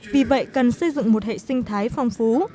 vì vậy cần xây dựng một hệ sinh thái phong phú